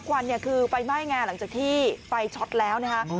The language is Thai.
ควันเนี่ยคือไฟไหม้ไงหลังจากที่ไฟช็อตแล้วนะคะ